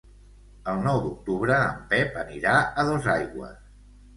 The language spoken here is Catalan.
El nou d'octubre en Pep anirà a Dosaigües.